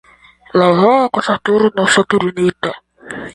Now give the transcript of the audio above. Oni vokis ŝin al Novjorko por ludi tie saman rolon.